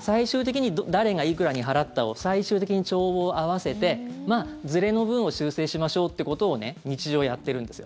最終的に誰がいくら払ったを最終的に帳簿を合わせてずれの分を修正しましょうってことを日常、やってるんですよ。